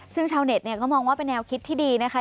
ซึ่งชาวเน็ตเนี่ยก็มองว่าเป็นแนวคิดที่ดีนะคะ